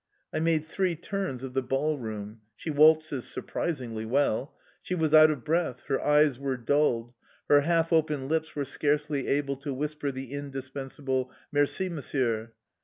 I made three turns of the ballroom (she waltzes surprisingly well). She was out of breath, her eyes were dulled, her half open lips were scarcely able to whisper the indispensable: "merci, monsieur."